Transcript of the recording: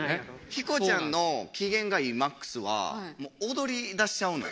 ヒコちゃんの機嫌がいいマックスはもう踊り出しちゃうの。